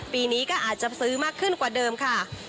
ปีนี้ก็อาจจะซื้อมากขึ้นกว่าเดิมค่ะ